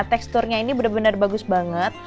teksturnya ini benar benar bagus banget